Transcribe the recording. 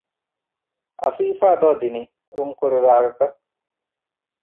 އަފީފާ ދޯ ދިނީ ރުންކުރު ރާގަކަށް